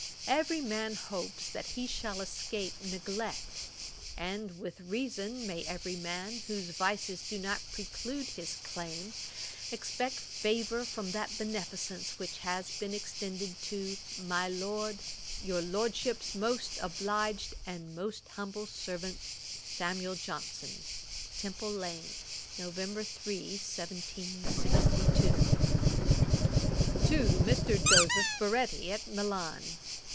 Every man hopes that he shall escape neglect; and, with reason, may every man, whose vices do not preclude his claim, expect favour from that beneficence which has been extended to, 'My Lord, 'Your Lordship's 'Most obliged 'And 'Most humble servant, 'Temple Lane 'SAM. JOHNSON.' 'Nov. 3, 1762.' 'TO MR. JOSEPH BARETTI, AT MILAN.